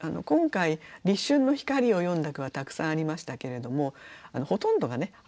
今回立春の光を詠んだ句はたくさんありましたけれどもほとんどがね